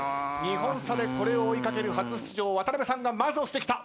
２本差でこれを追い掛ける初出場渡辺さんがまず押してきた。